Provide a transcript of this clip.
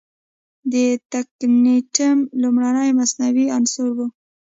د تکنیټیم لومړنی مصنوعي عنصر و.